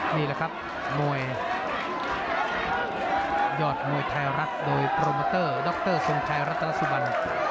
นี่แหละครับมวยยอดมวยไทยรัฐโดยโปรโมเตอร์ดรทรงชัยรัตนสุบัน